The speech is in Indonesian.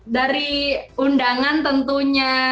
dari undangan tentunya